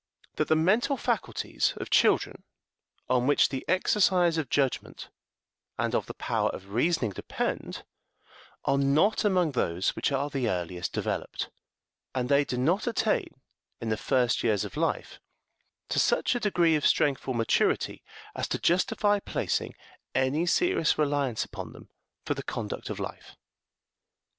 That the mental faculties of children on which the exercise of judgment and of the power of reasoning depend are not among those which are the earliest developed, and they do not attain, in the first years of life, to such a degree of strength or maturity as to justify placing any serious reliance upon them for the conduct of life.